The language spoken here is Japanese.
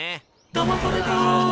「だまされた」